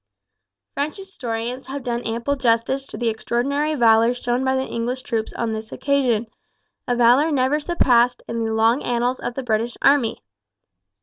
French historians have done ample justice to the extraordinary valour shown by the English troops on this occasion, a valour never surpassed in the long annals of the British army.